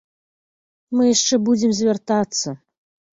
Мы яшчэ будзем звяртацца.